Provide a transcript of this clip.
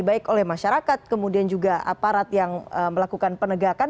baik oleh masyarakat kemudian juga aparat yang melakukan penegakan